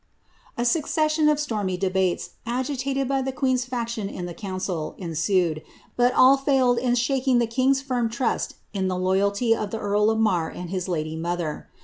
A succession of stormy debates, agitated by the queen^s faction in the eouncil, ensued, but all failed in shaking the king^s firm trust in the loy alty of the earl of Marr and his lady mother.